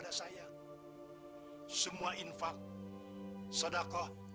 mereka semua bersaudara